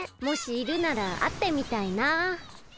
もしいるならあってみたいな。